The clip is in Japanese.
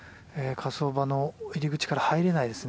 火葬場の入り口から入れないですね。